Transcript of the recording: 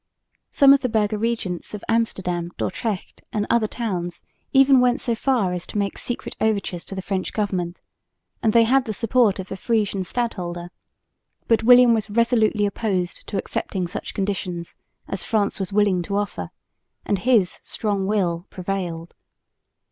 Some of the burgher regents of Amsterdam, Dordrecht and other towns even went so far as to make secret overtures to the French government, and they had the support of the Frisian Stadholder; but William was resolutely opposed to accepting such conditions as France was willing to offer, and his strong will prevailed.